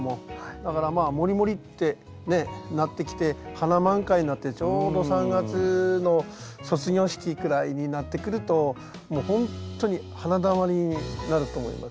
だからまあもりもりってなってきて花満開になってちょうど３月の卒業式くらいになってくるともうほんとに花だまりになると思います。